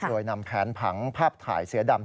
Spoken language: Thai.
โดยนำแผนผังภาพถ่ายเสือดำ